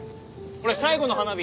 これ最後の花火。